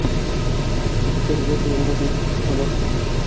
ӘРТИСТӘР ЙӘКИ ЙОНДОҘ НИСЕК ҠАБЫНА